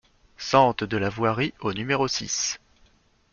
Sente de la Voirie au numéro six